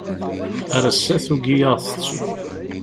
Ar ass-a tugi ad aɣ-tettu.